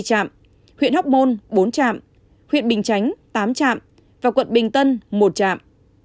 huyện hóc môn bốn trạm huyện bình chánh tám trạm và quận bình tân một trạm